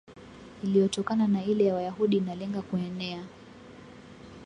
iliyotokana na ile ya Wayahudi inalenga kuenea